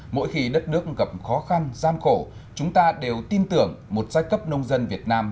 mỗi khi đất nước gặp khó khăn gian khổ chúng ta đều tin tưởng một giai cấp nông dân việt nam